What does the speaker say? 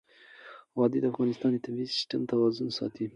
وادي د افغانستان د طبعي سیسټم توازن ساتي.